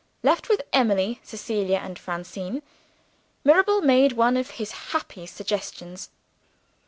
Left with Emily, Cecilia, and Francine, Mirabel made one of his happy suggestions.